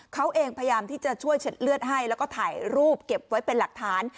เขาเองพยายามที่จะช่วยเช็ดเลือดให้แล้วก็ถ่ายรูปเก็บไว้เป็นหลักฐาน